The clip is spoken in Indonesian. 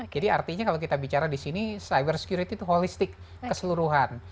jadi artinya kalau kita bicara di sini cyber security itu holistik keseluruhan